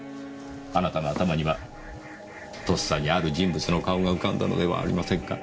あなたの頭にはとっさにある人物の顔が浮かんだのではありませんか？